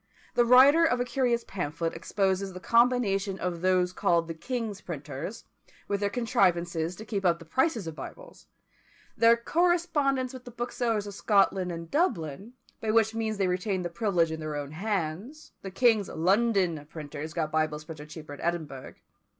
The writer of a curious pamphlet exposes the combination of those called the king's printers, with their contrivances to keep up the prices of Bibles; their correspondence with the booksellers of Scotland and Dublin, by which means they retained the privilege in their own hands: the king's London printers got Bibles printed cheaper at Edinburgh.